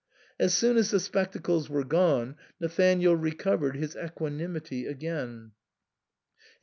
As soon as the spectacles were gone Nathanael recovered his equanimity again ; and, 198 THE SAND MAN.